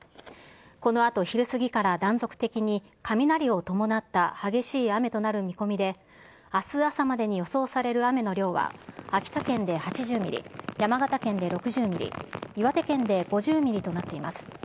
このあと、昼過ぎから断続的に雷を伴った激しい雨となる見込みで、あす朝までに予想される雨の量は、秋田県で８０ミリ、山形県で６０ミリ、岩手県で５０ミリとなっています。